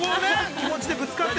気持ちでぶつかって。